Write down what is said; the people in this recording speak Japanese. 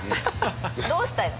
どうしたいの？